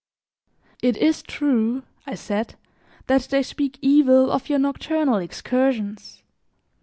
"It is true," I said, "that they speak evil of your nocturnal excursions.